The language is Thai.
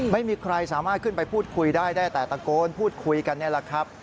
ไม่มีใครสามารถขึ้นไปพูดคุยได้ได้แต่ตะโกนพูดคุยกันนี่แหละครับ